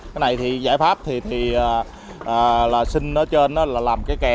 cái này thì giải pháp thì là xin ở trên là làm cái kè